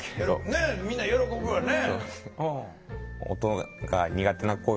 ねえみんな喜ぶよね。